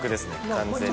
完全に。